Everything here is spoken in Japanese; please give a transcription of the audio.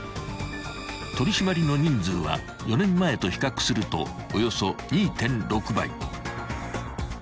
［取り締まりの人数は４年前と比較するとおよそ２．６倍］